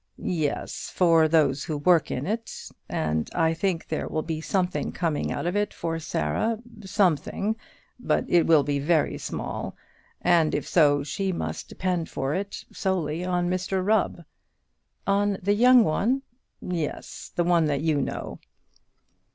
"Yes, for those who work in it; and I think there will be something coming out of it for Sarah, something, but it will be very small. And if so, she must depend for it solely on Mr Rubb." "On the young one?" "Yes; on the one that you know."